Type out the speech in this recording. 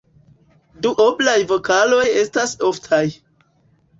Duoblaj vokaloj estas oftaj.